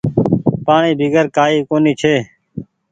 پآڻيٚ بيگر ڪآئي ڪونيٚ ڇي۔